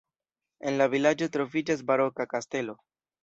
En la vilaĝo troviĝas baroka kastelo.